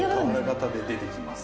俵形で出てきます。